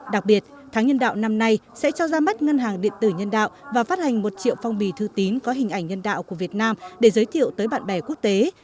đặc biệt tháng nhân đạo năm nay sẽ cho ra mắt ngân hàng điện tử nhân đạo và phát hành một triệu phong bì thư tín có hình ảnh nhân đạo của việt nam để giới thiệu tới bạn bè quốc tế